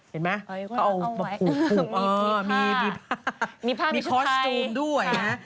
มีผ้ามีชุดไทย